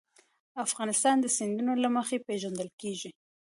افغانستان د سیندونه له مخې پېژندل کېږي.